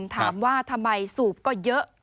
ถามว่าทำไมสูบก็เยอะ